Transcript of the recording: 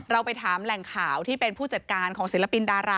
ไปถามแหล่งข่าวที่เป็นผู้จัดการของศิลปินดารา